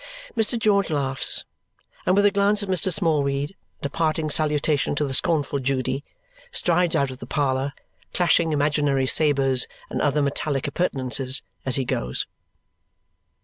Mr. George laughs, and with a glance at Mr. Smallweed and a parting salutation to the scornful Judy, strides out of the parlour, clashing imaginary sabres and other metallic appurtenances as he goes.